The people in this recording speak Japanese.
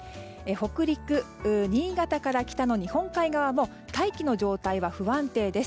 北陸、新潟から北の日本海側も大気の状態は不安定です。